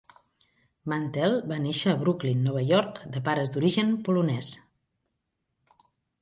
Mantell va néixer a Brooklyn, Nova York de pares d’origen polonès.